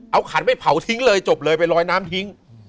เอาขันไปเผาทิ้งเลยจบเลยไปลอยน้ำทิ้ง